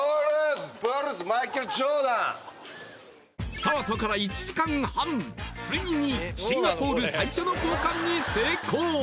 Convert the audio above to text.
スタートから１時間半ついにシンガポール最初の交換に成功